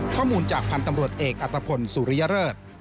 ข้อมูลจากพันธ์ตำรวจเอกอัตภพลสุริยเริศ